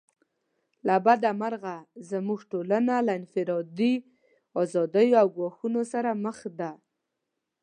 له بده مرغه زموږ ټولنه له انفرادي آزادیو ګواښونو سره مخ ده.